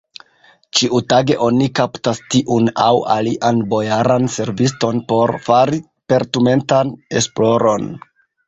Ĉiutage oni kaptas tiun aŭ alian bojaran serviston por fari perturmentan esploron.